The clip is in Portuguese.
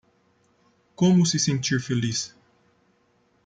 Como se sentir feliz?